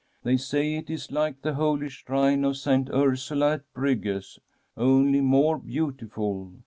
They say it is like the holy shrine of Saint Ursula at Bruges, only more beautiful.